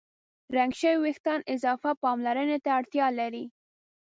رنګ شوي وېښتيان اضافه پاملرنې ته اړتیا لري.